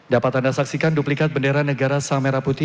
dapat anda saksikan duplikat bendera negara sang merah putih